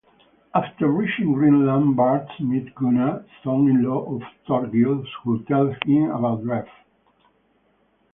After reaching Greenland, Bard meets Gunnar, son-in-law of Thorgils, who tells him about Ref.